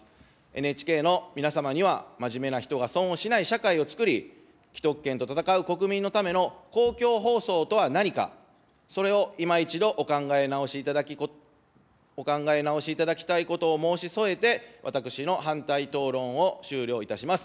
ＮＨＫの皆様には、真面目な人が損をしない社会を作り、既得権と闘う国民のための公共放送とは何か、それをいま一度お考え直しいただきたいことを申し添えて、私の反対討論を終了いたします。